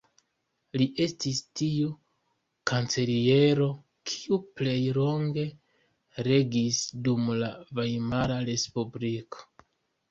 Li estis tiu kanceliero kiu plej longe regis dum la Vajmara Respubliko.